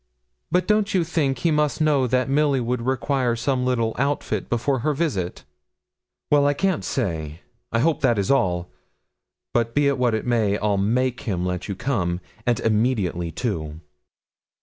'But don't you think he must know that Milly would require some little outfit before her visit?' 'Well, I can't say. I hope that is all; but be it what it may, I'll make him let you come, and immediately, too.'